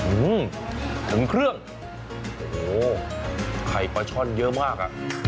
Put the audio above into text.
อื้อหือถึงเครื่องโอ้โฮไข่ปลาช่อนเยอะมาก